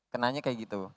kenanya kayak gitu